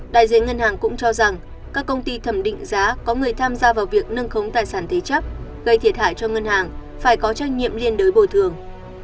đại diện ngân hàng cũng cho rằng các công ty thẩm định giá có người tham gia vào việc nâng khống tài sản thế chấp gây thiệt hại cho ngân hàng phải có trách nhiệm liên đối bồi thường